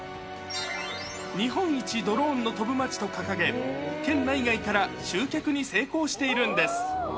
日本一ドローンの飛ぶ町と掲げ、県内外から集客に成功しているんです。